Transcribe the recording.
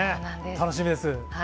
楽しみです。